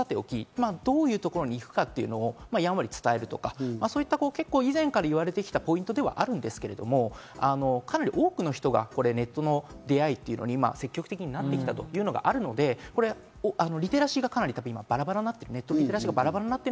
さておき、どういうところに行くかっていうのをやんわり伝えるとか、以前から言われてきたポイントではあるんですけど、かなり多くの人がネットの出会いってのに積極的になってきたというのがあるので、リテラシーがバラバラになってきてる。